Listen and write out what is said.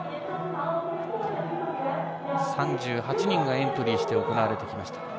３８人がエントリーして行われてきました。